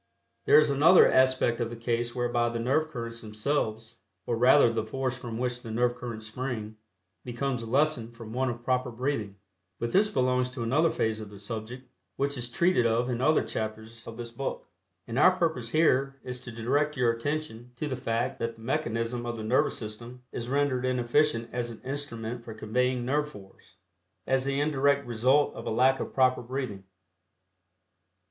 There is another aspect of the case whereby the nerve currents themselves, or rather the force from which the nerve currents spring, becomes lessened from want of proper breathing, but this belongs to another phase of the subject which is treated of in other chapters of this book, and our purpose here is to direct your attention to the fact that the mechanism of the nervous system is rendered inefficient as an instrument for conveying nerve force, as the indirect result of a lack of proper breathing.